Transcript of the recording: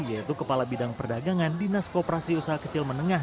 yaitu kepala bidang perdagangan dinas koperasi usaha kecil menengah